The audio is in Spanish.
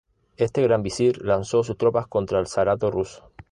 Este Gran Visir lanzó sus tropas contra el zarato ruso.